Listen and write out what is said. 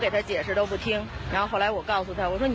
ติปทรมานง่าย